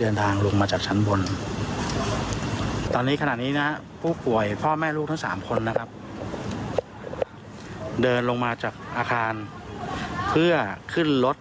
เดินลงมาจากอาคารเพื่อขึ้นรถ